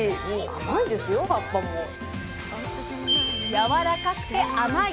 やわらかくて甘い！